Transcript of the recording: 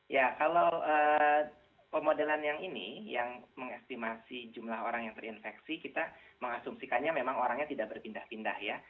ya kalau pemodelan yang ini yang mengestimasi jumlah orang yang terinfeksi kita mengasumsikannya memang orangnya tidak berpindah pindah ya